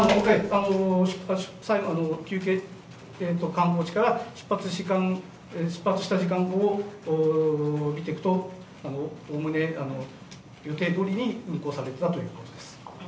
観光地から出発した時間を見ていくと、おおむね予定どおりに運行されてたということです。